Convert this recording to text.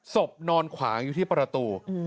นอนขวางอยู่ที่ประตู